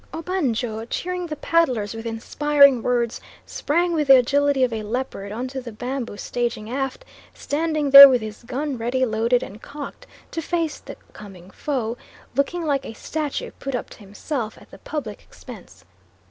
Obanjo cheering the paddlers with inspiriting words sprang with the agility of a leopard on to the bamboo staging aft, standing there with his gun ready loaded and cocked to face the coming foe, looking like a statue put up to himself at the public expense.